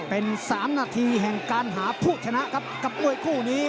เป็น๓นาทีแห่งการหาผู้ชนะครับกับมวยคู่นี้